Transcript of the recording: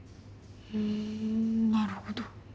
ふんなるほど。